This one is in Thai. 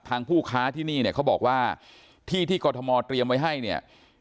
ผู้ค้าที่นี่เนี่ยเขาบอกว่าที่ที่กรทมเตรียมไว้ให้เนี่ย